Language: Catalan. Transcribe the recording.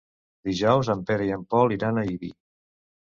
Dijous en Pere i en Pol iran a Ibi.